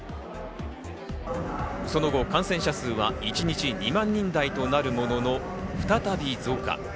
その後、感染者数は一日２万人台となるものの、再び増加。